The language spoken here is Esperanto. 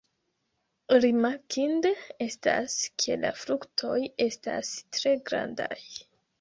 Rimarkinde estas, ke la fruktoj estas tre grandaj.